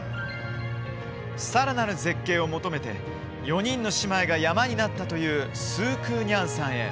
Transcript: さらなる絶景を求めて４人の姉妹が山になったという四姑娘山へ。